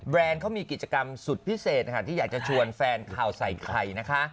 เขามีกิจกรรมสุดพิเศษค่ะที่อยากจะชวนแฟนข่าวใส่ไข่นะคะ